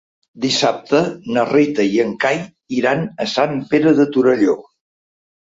Dissabte na Rita i en Cai iran a Sant Pere de Torelló.